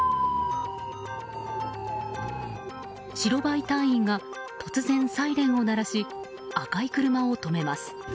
白バイ隊員が突然、サイレンを鳴らし赤い車を止めます。